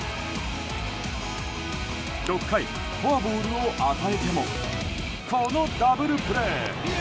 ６回、フォアボールを与えてもこのダブルプレー！